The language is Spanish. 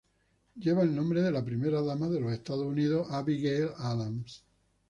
Lleva el nombre de la Primera dama de los Estados Unidos Abigail Adams.